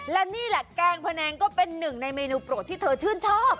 และนี่แหละแกงพะแนงก็เป็นหนึ่งในเมนูโปรดที่เธอชื่นชอบ